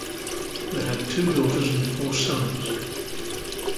They had two daughters and four sons.